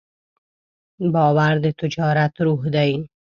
باور د تجارت روح دی.